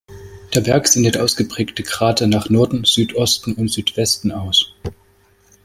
Der Berg sendet ausgeprägte Grate nach Norden, Südosten und Südwesten aus.